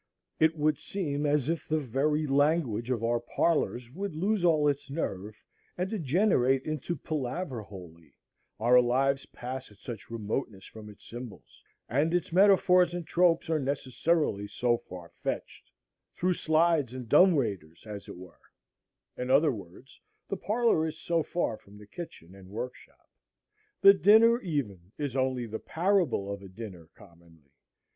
It would seem as if the very language of our parlors would lose all its nerve and degenerate into palaver wholly, our lives pass at such remoteness from its symbols, and its metaphors and tropes are necessarily so far fetched, through slides and dumb waiters, as it were; in other words, the parlor is so far from the kitchen and workshop. The dinner even is only the parable of a dinner, commonly.